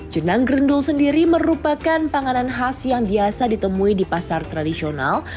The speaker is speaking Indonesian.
jenang grendul sendiri merupakan panganan khas yang biasa ditemui di pasar tradisional